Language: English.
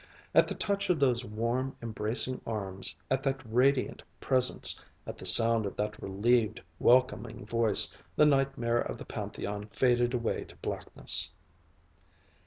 At the touch of those warm embracing arms, at that radiant presence, at the sound of that relieved, welcoming voice, the nightmare of the Pantheon faded away to blackness....